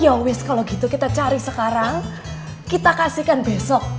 yowis kalau gitu kita cari sekarang kita kasihkan besok